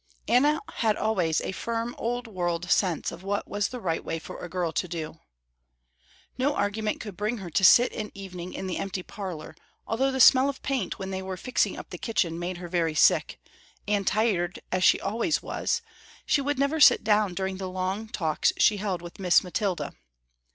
Anna had always a firm old world sense of what was the right way for a girl to do. No argument could bring her to sit an evening in the empty parlour, although the smell of paint when they were fixing up the kitchen made her very sick, and tired as she always was, she never would sit down during the long talks she held with Miss Mathilda.